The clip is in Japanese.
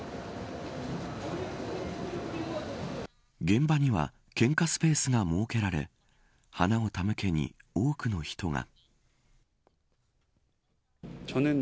現場には献花スペースが設けられ花を手向けに多くの人が。